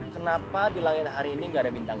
kenapa di langit hari ini gak ada bintang